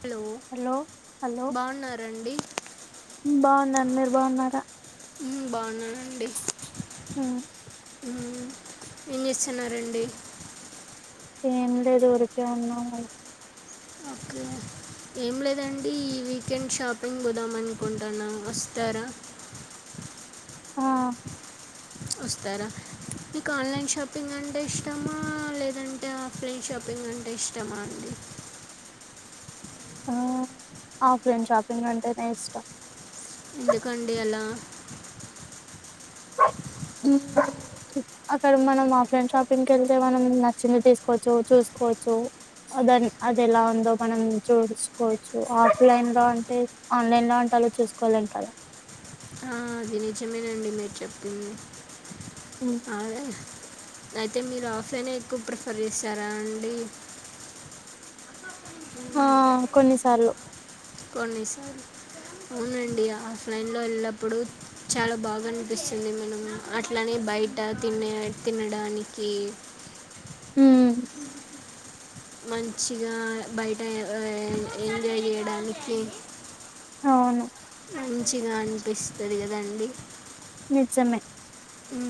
Hello hello బాగున్నరండి బాగున్నారు మీరు బాగున్నారా బాగున్నానండి ఆ ఏం చేస్తున్నారండి ఏమి లేదు ఊరికె ఉన్నాము ఓకే ఏం లేదండి ఈ వీకెండ్ షాపింగ్ భోదామనుకుంటును వస్తారా [inaudible] ఆ వస్తారా మీకు ఆన్లైన్ షాపింగ్ అంటే ఇష్టమా లేదంటే ఆఫ్లైన్ షాపింగ్ అంటే ఇష్టమా అండి [inaudible] ఆ ఆఫ్లైన్ షాపింగ్ అంటేనే ఇష్టం ఎందుకండి అలా [inaudible] అక్కడ మనం ఆఫ్లైన్ షాపింగ్ వెళ్తే మనం నచ్చింది తీసుకోవచ్చు చూసు కోచు అద అది ఎలా ఉందో మనం చూసుకోవచ్చు ఆఫ్లైన్ లో అంటే ఆన్లైన్ లో అంటే లో చూసుకోలేం కదా ఆ అది నిజమేనండి మీరు చెప్పింది అదే అయితే మీరు ఆఫ్లైనే ఎక్కువ ప్రిఫర్ చేస్తరా అండి ఆ కొన్నిసార్లు కొన్ని సాలు అవునండి ఆఫ్లైన్ లో వెళ్ళప్పుడు చాలా బాగా అనిపిస్తుంది మన అట్లానే బయట తినే తినడానికి ఉమ్, మంచిగా బయట ఏ ఏ ఎంజాయ్ చేయడానికి అవును మంచిగా అనిపిస్తది కదండి ఇచ్చమే ఊ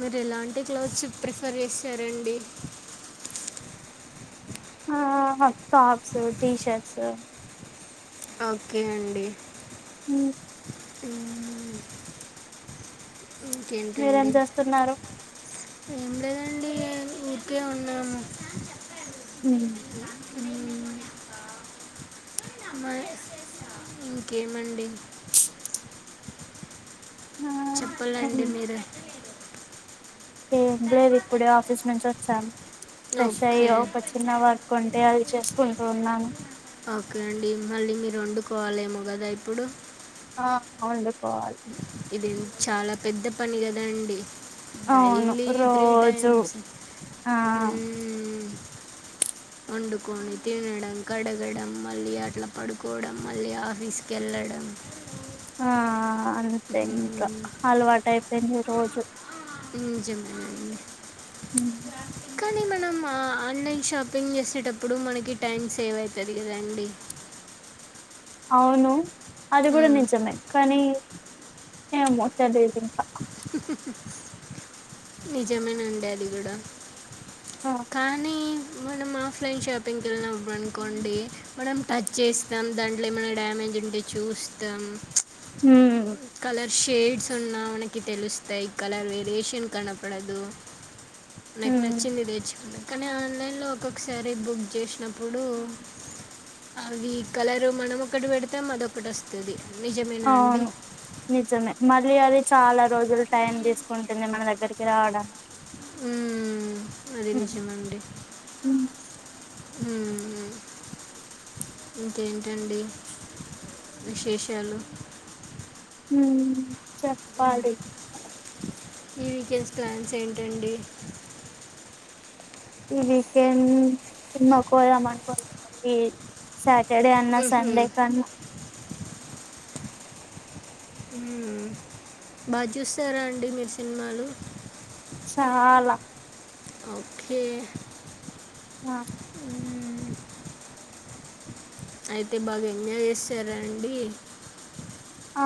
మీరు ఎలాంటి క్లోత్స్ ప్రిఫర్ చేశారండి ఆ టాప్స్ టీషర్ట్స్ ఓకే అండి హ్మ్ ఉ ఇంకేంటి మీరేం అండి చేస్తున్నారు ఏం లేదండి ఉకే ఉన్నాము ఉ మళ్ళీ ఇంకేమండి చెప్పలాంటి మీరే ఏం లేదు ఇప్పుడే ఆఫీస్ నుంచి వచ్చాను ఫ్రెష్ అయ్యి ఓకే ఒక చిన్న వర్ కొంటే అది చేసుకుంటూ ఉన్నాను ఓకే అండి మళ్ళీ మీరు వండుకోవాలేమో కదా ఇప్పుడు ఆ వండుకోవాలి ఇది చాలా పెద్ద పని కదా అండి అవును డైలీ త్రీ రోజు టైమ్స్ ఆ హు [inaudible] వండుకొని తినడం కడగడం మళ్ళీ అట్లా పండుకోవడం మళ్ళీ ఆఫీస్ కి వెళ్లడం డం ఆ అంతే ఇంకా మ్మ్. అలవాటు అయిపోయింది రోజు నిజమే అండి ఉ కానీ మనం ఆన్లైన్ షాపింగ్ చేసేటప్పుడు మనకి టైం సేవ్ అయతది కదా అండి [inaudible] అవును అది కూడా మ్మ్. నిజమే కానీ ఏమో చదువుకుంట నిజమే నండి అది కూడా ఆ, కానీ మనం ఆప్లైన్ షాపింగ్కి వెళ్ళినప్పుడు అనుకోండి మనం టచ్ చేస్తాం దాంట్లో ఏమైనా డ్యామేజ్ విండి చూస్తాం హు కలర్ షేడ్స్ ఉన్నా మనకి తెలుస్తాయి కలర్ వేరియేషన్ కనపడదు నాకు ఉమ్ నచ్చింది నేర్చుకున్నా కానీ ఆన్లైన్లో ఒక్కొక్కసారి బుక్ చేసినప్పుడు అవి కలరు మనం ఒకటి పెడితే మరోకటి వస్తుంది నిజమేనా అండి అవును నిజమే మళ్ళీ అది చాలా రోజులు టైం తీసుకుంటుంది మన దగ్గరికి రావడానికి మ్ అది ఉమ్ నిజమ్ అండి ఉమ్ ఊ ఇంకేంటి అండి విశేషాలు మ్ చెప్పాలి ఈ వీకెండ్స్ ప్లాన్స్ ఏంటండి ఈ వీకెండ్ సినిమాకుపోదమా అనుకోలేద్ కాబట్టి సట్ టె డెఅన్న మ్హూ. సండే కన్నా బాగా చూస్తారా అండి మీరు సినిమాలు చాలా ఓకే ఆ మ్మ్. అయితే బాగా ఎంజ్ చేసారా అండి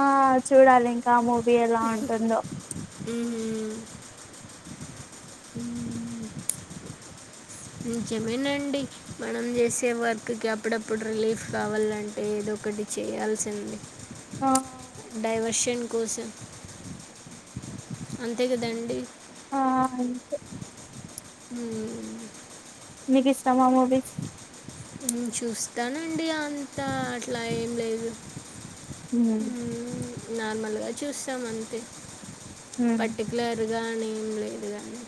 ఆ చూడాలి ఇంకా మూవీ ఎలా ఉంటుందో ఉమ్ నిజమేనండి మనం చేసే వర్కుకి అప్పుడప్పుడు రిలీఫ్ కావాలంటే ఏదో ఒకటి చేయాల్సింది ఆ డైవర్షన్ కోసం అంతే కదండి ఆ అంతే ము మీకిష్టమా మూవిస్ మ్ చూస్తానండి అంతా అట్లా ఏం లేదు ఉమ్ మ్మ్, నార్మల్గా చూస్తాం అంతే ఉమ్ పర్టికులర్ గానీ ఎమ్ లేదు గానీ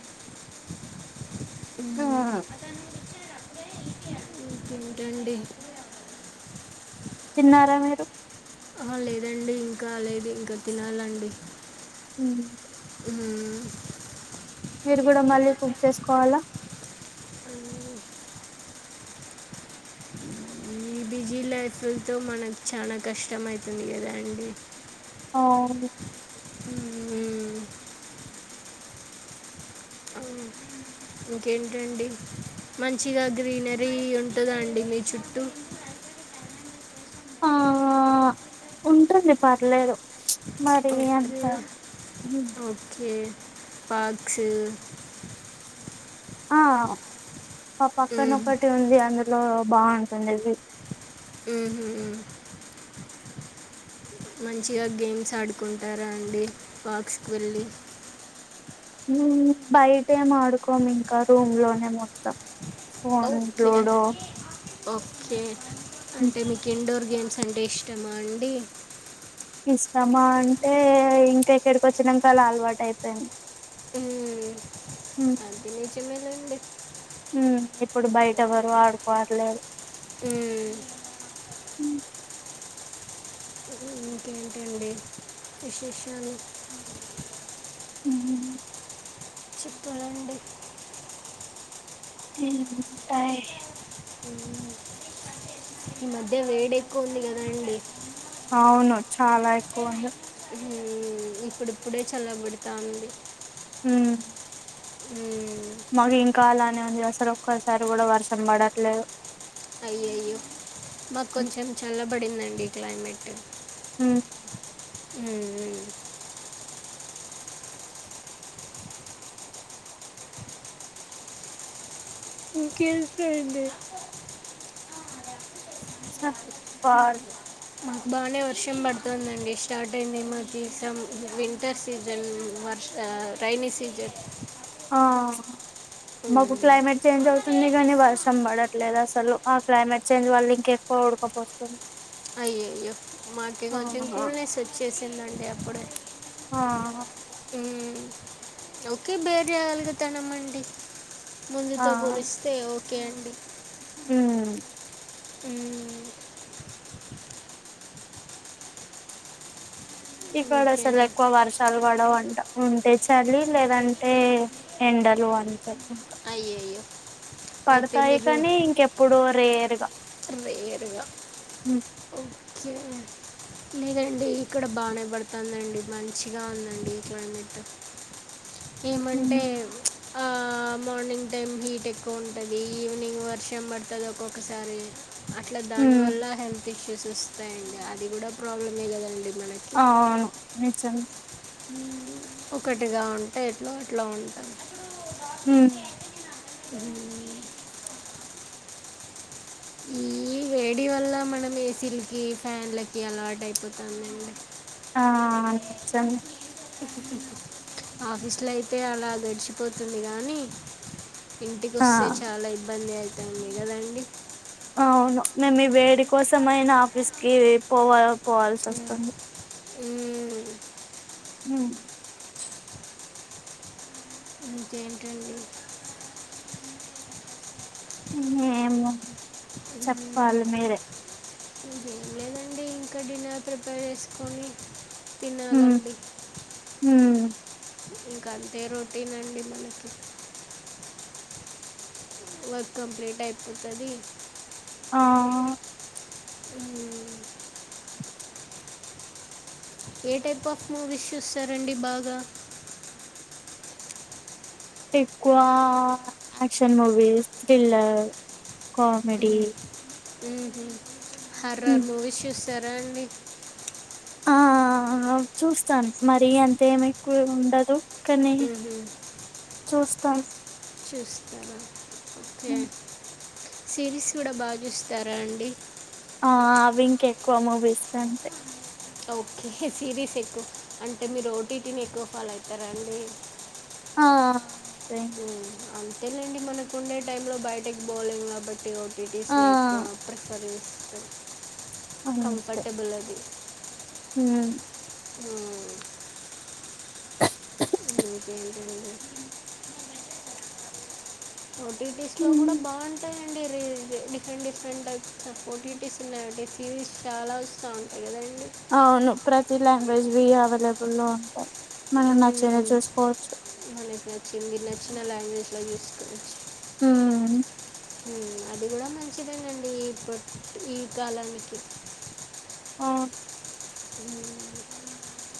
ఇంకెం క్కండి తిన్నారా మీరు ఆ లేదండి ఇంకా లేదు ఇంకా తినాలండి ఉమ్ ఉమ్ మీరు కూడా మళ్ళీ కుక్ చేసుకోవాలా అ ఈ బిజీ లైఫ్తో మనకు చాలా కష్టం అయ్తుంది కదా అండి అవును [inaudible] ఉహూమ్ అవ్ ఇంకేంటండి మంచిగా గ్రీనరీ అనిఉంటుందాండి మీ చుట్టూ అఆ ఉంటుంది పర్లేదు మరి ఓకే ఎంత పక్షి ఆ పా మ్మ్. పక్కనొక్కటి ఉంది అందులో బాగుంటుంది అది ఉమ్మ్ మంచిగా గేమ్స్ ఆడుకుంటారా అండి పాక్స్కి వెళ్ళి ఉబయటే ఆడుకోము ఇంకా రూమ్ లోనే మొత్తాం ఫోన్ ఓకే లోూడో ఓకే అంటే మీకు ఇండోర్ గేమ్స్ అంటే ఇష్టమా అండి ఇస్తామా అంటే ఇంకెక్కడికి వచ్చినాక అలా అలవాటు అయిపోయింది ఉమ్అది చిిన్నల ఉడి ఉఇప్పుడు బయట వరు ఆడుకోవటలెదు ఉ ఇంకేంటండి విశేషలు చెప్పాలండి ఉమ్ బాయ్ ఈ మధ్య వేడి ఎక్కువ ఉంది కదా అండి అవును చాలా ఎక్కువ ఉంది ఉమ్ ఇప్పుడుప్పుడే చల్లగపేడతంది హ ఉమ్ మాకు ఇంకా అలానే ఉంది అసలు ఒక్కోసారి కూడా వర్షం పడట్లేదు అయ్య అయ్యో మాకు కొంచెం చాలా పడిందండి క్లైమేట్ ఉమ్ ఉమ్ ఇంకెంటి అండి [inaudible] చ [inaudible] మాకు బాగానే వర్షం పడుతుందండి స్టార్ట్ అయింది మాకు స వింటర్ సీజన్ వర్ రైని సీజెన్ ఆ మాకు క్లైమేట్ చేంజ్ అవుతుంది గానీ వర్షం పడట్లేదు అసలు ఆ క్లైమేట్ చేంజ్ వల్ల ఇంకెక్కువ ఉడకపోస్తుంది అయ్యయ్యో మాకి కొంచెం ఆహా కూల్నెస్ వచ్చేసిందండి అప్పుడే ఆ ఉమ్ ఓకే బేర చేగలిగుతనమండి ఆ ముందుతో పోలిస్తే ఓకే అండి ఉమ్ ఉమ్ ఇక్కడ అస్సలు ఇంకేంటి ఎక్కువ వర్షాలు పడవండి ఉంటే చలి లేదంటే ఎండలు అంతే ఇంకా అయ్యయ్యో అయితే పడతాయి మీరు కానీ ఇంకెప్పుడో రేరుగా రేర్గా ఉమ్ ఓ ఓకే లేదండి ఇక్కడ బాగానే పడుతుందండి మంచిగా ఉందండి క్లైమేట్ ఏమంటే ఉమ్ ఆ మార్నింగ్ టైం హీట్ ఎక్కువ ఉంటుంది ఈవినింగ్ వర్షం పడుతది ఒక్కొక్కసారి అట్లా దాని ఉమ్ వల్ల హెల్త్ ఇష్యూస్ వస్తాయండి అది కూడా ప్రాబ్లమే కదండి మనకి అవును నిజమే ఒకటిగా ఉంటే ఎట్లా అట్లా ఉంటారు ఉమ్ ఈ ఈ వేడి వల్ల మనం ఏసీలకి ఫ్యాన్లకి అలవాటు అయిపోతుంది ఏమో ఆ చం ఆఫీసులో అయితే అలా గడిచిపోతుంది కానీ ఇంటికి ఆ వస్తే చాలా ఇబ్బంది అవుతుంది కదండీ అ అవును మేము ఈ వేడి కోసం అయినా ఆఫీస్ కి పోవాల ఉమ్ ఉమ్ ఇంకేంటండి ఏమో మ్మ్. చెప్పాలి మీరే ఇంకేం లేదండి ఇంక డిన్నర్ ప్రిపేర్ జేసుకొని ఉమ్ తినాలండి ఉమ్ ఇంక అంతే రొటీన్ అండి మనకి వర్క్ కంప్లీట్ అయిపోతది ఆ ఉమ్ ఏ టైప్ ఆఫ్ మూవీస్ చూస్తరండి బాగా ఎక్కువా యాక్షన్ మూవీస్ థ్రిల్లర్ కామెడి ఉమ్ హ్ హర్రర్ మూవీస్ చూస్తరా అండి ఆ ఆ చూస్తాను మరీ అంతేమ్ ఎక్కువ ఉండదు కని మ్మ్. చూస్తాం చూస్తారా ఓకే సిరీస్ కూడా బా చూస్తారా అండి ఆ అవి ఇంకెక్కువ మూవీస్ కంటే ఓకే సిరీస్ ఎక్కువ అంటే మీరు ఓ టి టి ని ఎక్కువ ఫాలో అయితరా అండి ఆ ఇంకా ఉమ్ అంతేలేండి మనకుండే టైమ్ లో బయటకి బోలెం గాబట్ టీ ఓ టీ టీ స్ ఆ ని ఎక్కువ ప్రిఫర్ చేస్తాం కంఫర్టబుల్ అది ఉమ్ ఉమ్ ఇంకేంటండి ఓ టీ టీ స్ లో గూడ బావుంటయండి రీ different different types O T tea స్ ఉన్నాయి సిరీస్ చాలా వస్తా ఉంటాయి కదండి అవును ప్రతి లాంగ్వేజ్ వి అవైలబుల్ లో ఉంటాయి మనకు నచ్చినయ్ మ్మ్. చూసుకోవచ్చు చ్చిన లాంగ్వేజ్లో జూస్కోవచ్చు ఉమ్ ఉమ్ అది గుడా మంచిదేనండి ఇప్పడి ఈ కాలానికి ఆ ఉమ్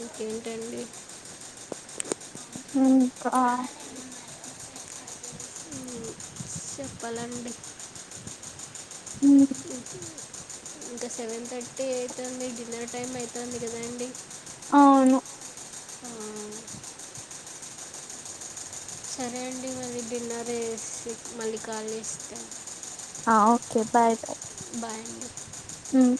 ఇంకేంటండి ఇంకా మ్మ్. చెప్పాలండి ఉమ్ ఇంక సెవెన్ థర్టీ అయితాంది డిన్నర్ టైం అయితాంది గదండి అవును ఆ సరే అండి మళ్ళీ డిన్నర్ జేసి మళ్ళీ కాల్ చేస్తా ఆ ఓకే బాయ్ బాయ్ బాయ్ అండి హ్మ్